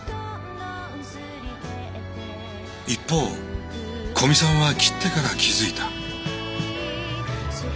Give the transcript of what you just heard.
一方古見さんは切ってから気付いた。